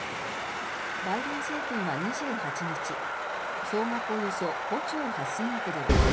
バイデン政権は２８日総額およそ５兆８０００億ドル